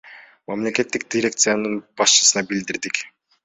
Мамлекеттик дирекциянын башчысына билдирдик.